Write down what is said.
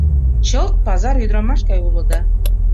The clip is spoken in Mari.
— Чылт пазар ӱдырамаш гай улыда!